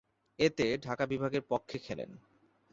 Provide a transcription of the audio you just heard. এতে ঢাকা বিভাগের পক্ষে খেলেন।